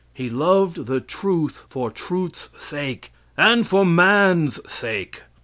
He loved the truth for truth's sake and for man's sake.